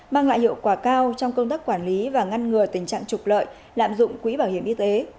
mang lại hiệu quả cao trong công tác quản lý và ngăn ngừa tình trạng trục lợi lạm dụng quỹ bảo hiểm y tế